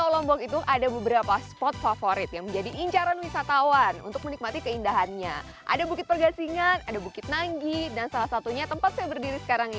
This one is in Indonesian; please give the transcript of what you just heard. lombok pulau lombok